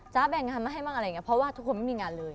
แบ่งงานมาให้บ้างอะไรอย่างนี้เพราะว่าทุกคนไม่มีงานเลย